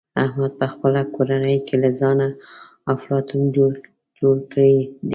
احمد په خپله کورنۍ کې له ځانه افلاطون جوړ کړی دی.